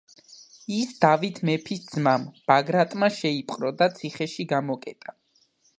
ის დავით მეფის ძმამ, ბაგრატმა შეიპყრო და ციხეში გამოკეტა.